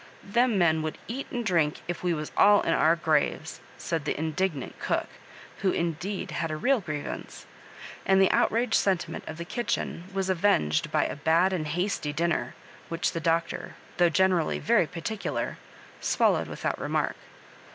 '^Them men would eat and drink if we was all in our graves," said the indignant cook, who in deed had a real grievance; and the outraged sentiment of the kitchen was avenged by a bad and hasty dinner, which the Doctor, though generally "very particular," swallowed without remark.